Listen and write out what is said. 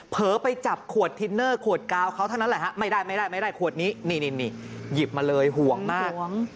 เผลอไปจับขวดทินเนอร์ขวดกาวเขาเท่านั้นแหละฮะไม่ได้ไม่ได้ขวดนี้นี่หยิบมาเลยห่วงมาก